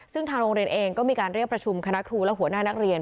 ซึ่งทางโรงเรียนเองก็มีการเรียกประชุมคณะครูและหัวหน้านักเรียน